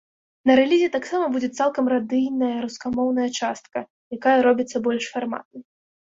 На рэлізе таксама будзе цалкам радыйная рускамоўная частка, якая робіцца больш фарматнай.